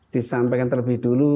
disampaikan terlebih dulu